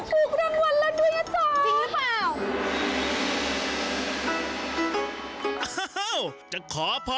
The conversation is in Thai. คือขอรังวลเราด้วยจ้ะจ้ะจริงหรือเปล่า